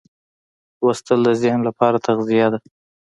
لوستل د ذهن لپاره تغذیه ده.